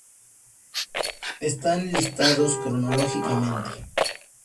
Están listados cronológicamente.